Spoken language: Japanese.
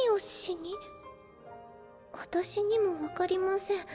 私にも分かりません。